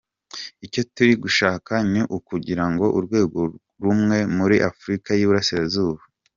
Icyo turi gushaka ni ukugira urwego rumwe muri Afurika y’Iburasirazuba,”.